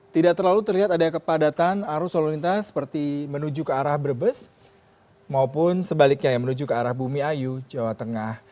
tidak terlalu terlihat ada kepadatan arus lalu lintas seperti menuju ke arah brebes maupun sebaliknya yang menuju ke arah bumi ayu jawa tengah